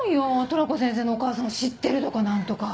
トラコ先生のお母さんを知ってるとか何とか。